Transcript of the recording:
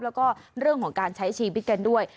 แล้วก็เรื่องของการใช้ชีวิตกันด้วย